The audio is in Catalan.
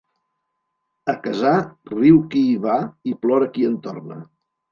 A casar, riu qui hi va i plora qui en torna.